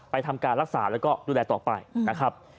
ทำการรักษาแล้วก็ดูแลต่อไปนะครับ